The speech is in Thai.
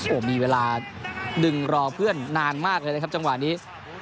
โอ้โหมีเวลาดึงรอเพื่อนนานมากเลยนะครับจังหวะนี้